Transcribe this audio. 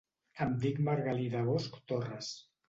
Em dic Margalida Bosch Torres.